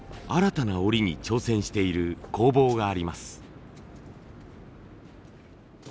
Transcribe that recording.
たな織りに挑戦している工房があります。